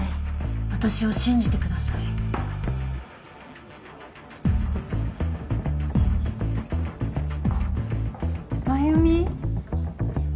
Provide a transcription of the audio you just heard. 私を信じてください繭美！